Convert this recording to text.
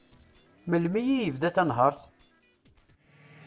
Melmi i yebda tanhert?